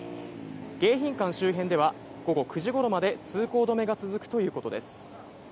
迎賓館周辺では、午後９時ごろまで通行止めが続くということです。